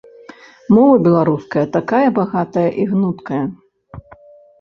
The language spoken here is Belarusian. Мова беларуская такая багатая і гнуткая.